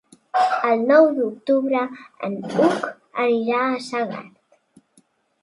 El nou d'octubre n'Hug anirà a Segart.